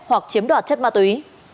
hoặc chiếm đoạt chất ma tùy